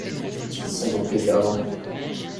Qui sont donc les perdants?